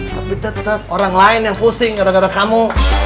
tapi tetap orang lain yang pusing gara gara kamu